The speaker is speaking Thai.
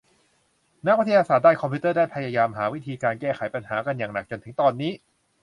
นักวิทยาศาสตร์ด้านคอมพิวเตอร์ได้พยายามหาวิธีการแก้ปัญหากันอย่างหนักจนถึงตอนนี้